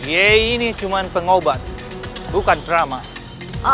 yei ini cuma pengobat bukan ramalan